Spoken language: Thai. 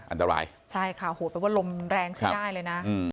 อันตรายใช่ค่ะโหดแปลว่าลมแรงใช้ได้เลยนะ